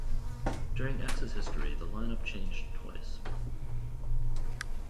During X's history the lineup changed twice.